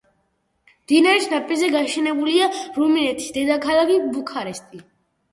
მდინარის ნაპირზე გაშენებულია რუმინეთის დედაქალაქი ბუქარესტი.